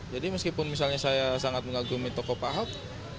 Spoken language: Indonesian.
jadi meskipun misalnya saya sangat mengagumi tokoh pak ahok